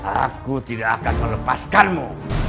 aku tidak akan melepaskanmu